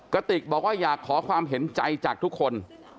กระติกบอกว่าอยากขอความเห็นใจจากทุกคน